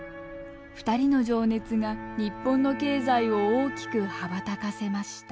２人の情熱が日本の経済を大きく羽ばたかせました。